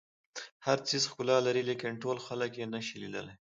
هر څیز ښکلا لري لیکن ټول خلک یې نه شي لیدلی.